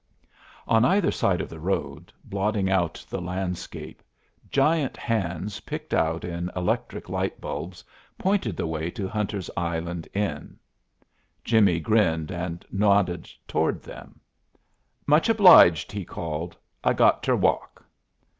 On either side of the road, blotting out the landscape, giant hands picked out in electric light bulbs pointed the way to Hunter's Island Inn. Jimmie grinned and nodded toward them. "Much obliged," he called, "I got ter walk."